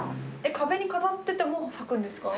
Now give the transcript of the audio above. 壁に飾ってても咲くんですか？